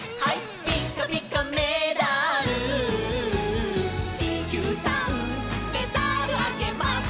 「ピッカピカメダル」「ちきゅうさんメダルあげます」